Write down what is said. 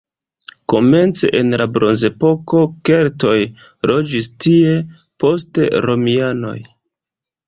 Komence en la bronzepoko keltoj loĝis tie, poste romianoj.